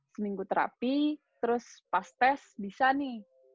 seminggu terapi terus pas tes bisa nih